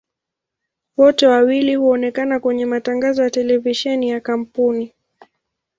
Wote wawili huonekana kwenye matangazo ya televisheni ya kampuni.